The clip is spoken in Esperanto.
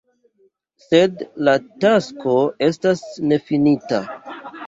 Sed la tasko estas nefinita.